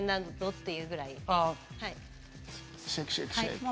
はい。